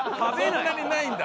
そんなにないんだ。